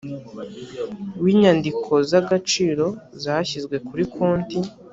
w inyandiko z agaciro zashyizwe kuri konti